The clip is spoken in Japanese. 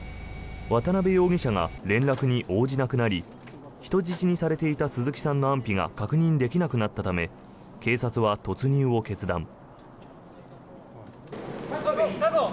渡辺容疑者が連絡に応じなくなり人質にされていた鈴木さんの安否が確認できなくなったため警察は突入を決断。